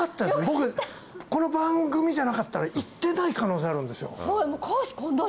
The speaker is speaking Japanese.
僕この番組じゃなかったら行ってない可能性あるんですよ